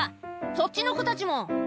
そっちの子たちも」